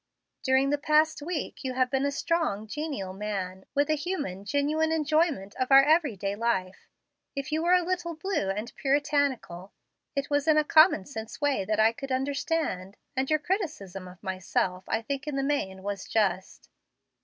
During the past week you have been a strong, genial man, with a human, genuine enjoyment of our every day life. If you were a little blue and puritanical, it was in a common sense way that I could understand, and your criticism of myself I think in the main was just.